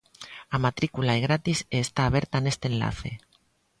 A matrícula é gratis e está aberta neste enlace.